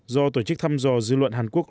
do tổ chức thăm dò dư luận hàn quốc